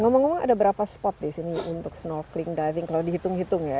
ngomong ngomong ada berapa spot di sini untuk snorkeling diving kalau dihitung hitung ya